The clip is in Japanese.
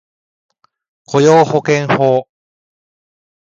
雇用保険法